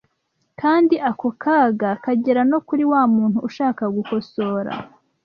Kandi ako kaga kagera no kuri wa muntu ushaka gukosora.